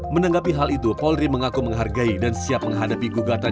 menanggapi hal itu polri mengaku menghargai dan siap menghadapi gugatan